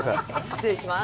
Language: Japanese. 失礼します。